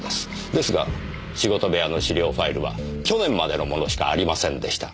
ですが仕事部屋の資料ファイルは去年までのものしかありませんでした。